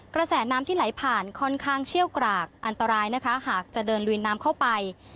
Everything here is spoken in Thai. กระแสน้ำที่ไหลผ่านค่อนข้างเชี่ยวกรากอันตรายนะคะหากจะเดินลุยน้ำเข้าไป